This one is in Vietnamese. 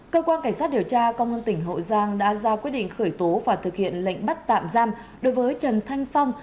cơ quan cảnh sát điều tra công an tỉnh hậu giang đã ra quyết định khởi tố và thực hiện lệnh bắt tạm giam đối với trần thanh phong